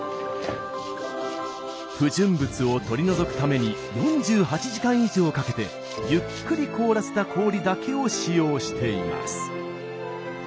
不純物を取り除くために４８時間以上かけてゆっくり凍らせた氷だけを使用しています。